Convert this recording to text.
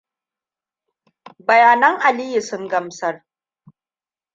Bayanan Aliyu sun gamsar.